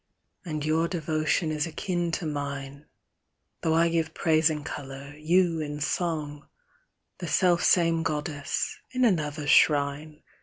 And your devotion is akin to mine, Though I give praise in colour, you in song ; The self same goddess, in another shrine.